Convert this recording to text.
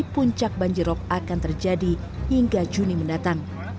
puncak banjir rok akan terjadi hingga juni mendatang